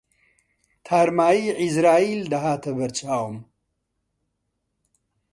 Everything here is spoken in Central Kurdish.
تارماییی عیزراییل دەهاتە بەر چاوم